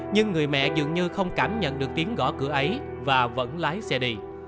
nhưng người mẹ dường như không cảm nhận được tiếng gõ cửa ấy và vẫn lái xe đi